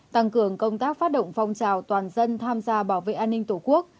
tăng cường công tác phát động phong trào toàn dân tham gia bảo vệ an ninh tổ quốc